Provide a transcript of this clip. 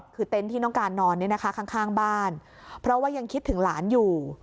คือเต็นต์ที่น้องการนอนเนี่ยนะคะข้างบ้านเพราะว่ายังคิดถึงหลานอยู่